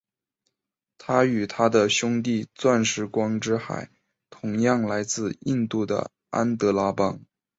它与它的兄弟钻石光之海同样来自印度的安德拉邦。